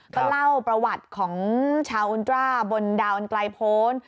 ก็เล่าประวัติของชาวอุตราบนดาวอันไกลโพน